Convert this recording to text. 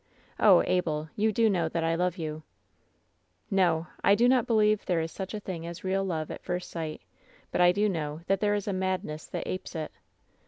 Oh, Abel! you do know that I love you ! "No ! I do not believe there is such a thing as real love at first sight ; but I do know that there is a madness that apes it.